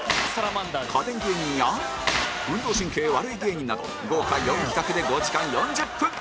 家電芸人や運動神経悪い芸人など豪華４企画で５時間４０分